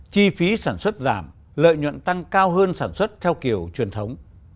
chi phí sản xuất giảm lợi nhuận tăng cao hơn sản xuất theo kiểu truyền thống